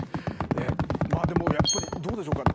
まあでもやっぱりどうでしょうか？